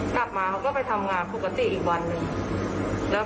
แล้วก็ติดต่อก่อนได้